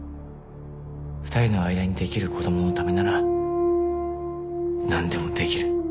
２人の間に出来る子供のためならなんでも出来る。